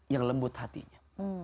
yang lembut hatinya